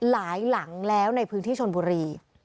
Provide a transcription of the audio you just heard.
หลังแล้วในพื้นที่ชนบุรี